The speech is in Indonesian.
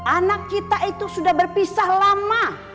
anak kita itu sudah berpisah lama